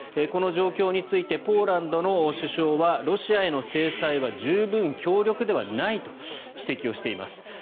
この状況についてポーランドの首相はロシアへの制裁は十分強力ではないと指摘をしています。